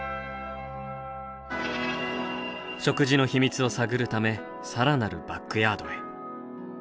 食事の秘密を探るため更なるバックヤードへ。